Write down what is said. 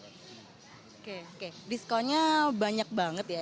oke oke diskonnya banyak banget ya